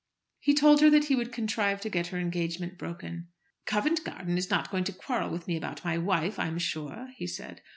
He told her that he would contrive to get her engagement broken. "Covent Garden is not going to quarrel with me about my wife, I'm sure," he said.